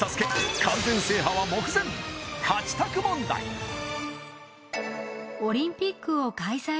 完全制覇は目前８択問題選択肢